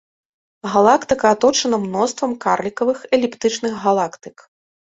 Галактыка аточана мноствам карлікавых эліптычных галактык.